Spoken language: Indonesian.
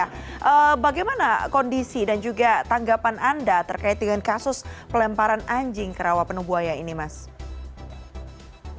nah bagaimana kondisi dan juga tanggapan anda terkait dengan kasus pelemparan anjing ke rawa penuh buaya ini mas